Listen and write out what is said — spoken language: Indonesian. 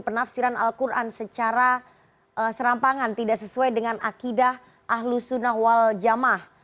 penafsiran al quran secara serampangan tidak sesuai dengan akidah ahlus sunnah wal jamah